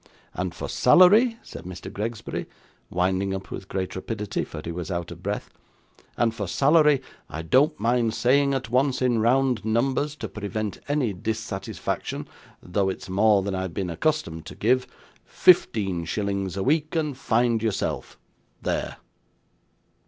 And for salary,' said Mr. Gregsbury, winding up with great rapidity; for he was out of breath 'and for salary, I don't mind saying at once in round numbers, to prevent any dissatisfaction though it's more than I've been accustomed to give fifteen shillings a week, and find yourself. There!